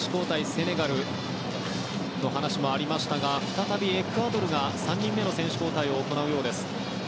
セネガルの話もありましたが再びエクアドルが、３人目の選手交代を行うようです。